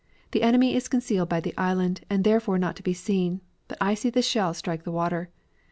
The enemy is concealed by the island, and therefore not to be seen, but I see the shell strike the water.